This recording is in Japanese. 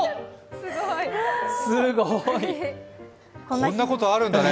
こんなことあるんだね。